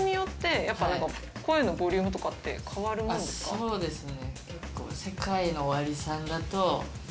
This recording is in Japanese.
そうですね。